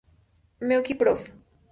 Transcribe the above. Meoqui, Profr.